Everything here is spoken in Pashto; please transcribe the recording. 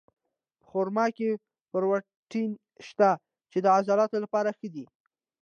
په خرما کې پروټین شته، چې د عضلاتو لپاره ښه دي.